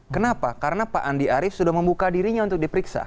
kenapa karena pak andi arief sudah membuka dirinya untuk diperiksa